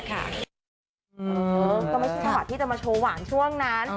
ก็ไม่ใช่จังหวัดที่จะมาโชว์หวานช่วงนั้น